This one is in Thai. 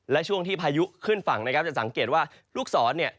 และช่วงที่พายุขึ้นฝั่งนะครับจะสังเกตว่าลูกศรเนี่ย